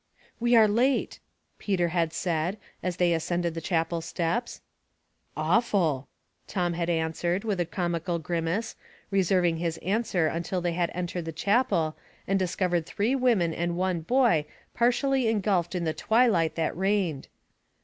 "We are late," Peter had said, as they as cended the chapel steps. " Awful !" Tom had answered, with a comical grimace, reserving his answer until they had en tered the chapel and discovered three women and one boy partially engulfed in the twilight that reigned.